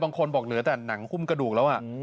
บางคนบอกเหลือแต่หนังหุ้มกระดูกแล้ว